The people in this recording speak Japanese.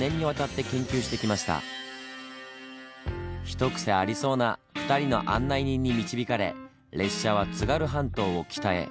一癖ありそうな２人の案内人に導かれ列車は津軽半島を北へ。